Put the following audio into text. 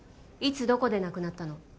いつどこでなくなったの？